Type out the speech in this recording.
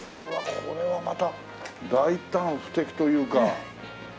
これはまた大胆不敵というか。